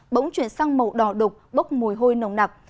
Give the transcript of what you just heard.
bỗng chuyển sang màu đỏ đục bốc mùi hôi nồng nặc